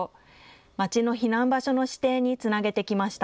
町の避難場所の指定につなげてきました。